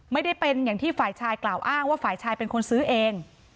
ไม่ได้เป็นอย่างที่ฝ่ายชายกล่าวอ้างว่าฝ่ายชายเป็นคนซื้อเอง